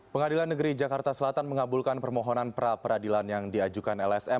pengadilan negeri jakarta selatan mengabulkan permohonan pra peradilan yang diajukan lsm